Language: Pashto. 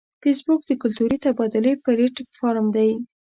فېسبوک د کلتوري تبادلې پلیټ فارم دی